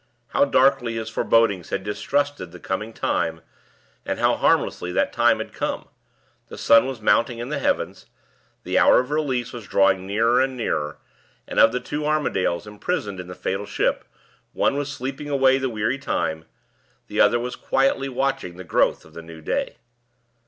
How darkly his forebodings had distrusted the coming time, and how harmlessly that time had come! The sun was mounting in the heavens, the hour of release was drawing nearer and nearer, and of the two Armadales imprisoned in the fatal ship, one was sleeping away the weary time, and the other was quietly watching the growth of the new day.